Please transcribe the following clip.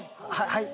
はい！